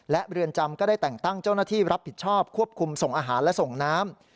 และเรือนจำก็ได้แต่งตั้งเจ้าหน้าที่รับผิดชอบควบคุมส่งอาหารและส่งน้ำ